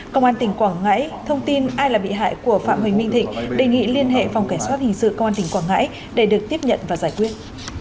công an tỉnh quảng ngãi thông tin ai là bị hại của phạm huỳnh minh thịnh đề nghị liên hệ phòng cảnh sát hình sự công an tỉnh quảng ngãi để được tiếp nhận và giải quyết